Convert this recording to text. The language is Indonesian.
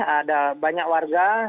ada banyak warga